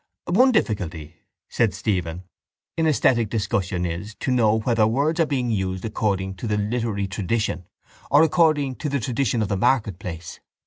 —One difficulty, said Stephen, in esthetic discussion is to know whether words are being used according to the literary tradition or according to the tradition of the marketplace.